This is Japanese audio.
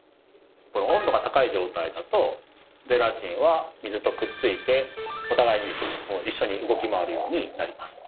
温度が高い状態だとゼラチンは水とくっついてお互いに一緒に動き回るようになります。